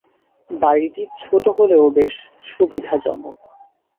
বাড়ীটি ছোট হলেও বেশ সুবিধাজনক।